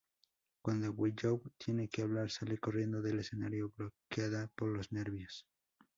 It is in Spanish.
Cuando Willow tiene que hablar, sale corriendo del escenario bloqueada por los nervios.